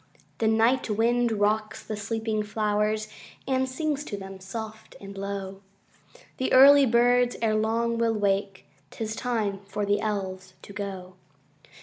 The night wind rocks the sleeping flowers, And sings to them, soft and low. The early birds erelong will wake: âT is time for the Elves to go.